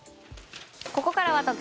ここからは特選！